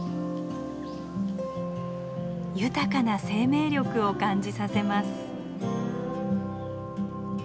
豊かな生命力を感じさせます。